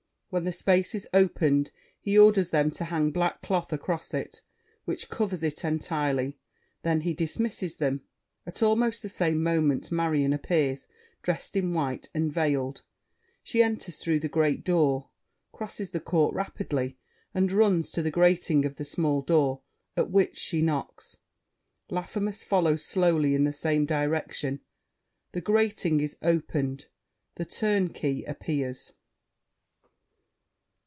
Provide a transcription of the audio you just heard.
When the space is opened, he orders them to hang black cloth across it, which covers it entirely; then he dismisses them. At almost the same moment Marion appears, dressed in white, and veiled; she enters through the great door, crosses the court rapidly, and runs to the grating of the small door, at which she knocks. Laffemas follows slowly in the same direction. The grating is opened; The Turnkey appears.